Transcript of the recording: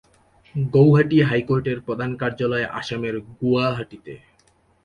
গৌহাটি হাইকোর্টের প্রধান কার্যালয় আসামের গুয়াহাটিতে।